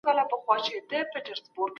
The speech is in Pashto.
موږ باید په خپلو لیکنو کې رښتیني اوسو.